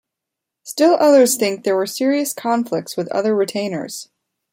Still others think there were serious conflicts with other retainers.